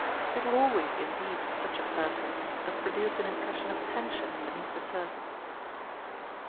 It would always indeed for such a person have produced an impression of tension beneath the surface.